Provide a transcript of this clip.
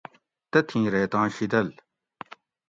تتھیں ریتاں شِیدل